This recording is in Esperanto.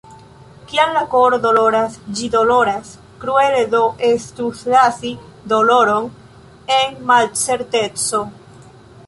Kiam la koro doloras, ĝi doloras, kruele do estus lasi doloron en malcerteco.